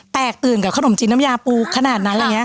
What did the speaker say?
แตกตื่นกับขนมจีนน้ำยาปูขนาดนั้น